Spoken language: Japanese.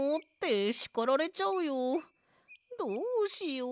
どうしよう。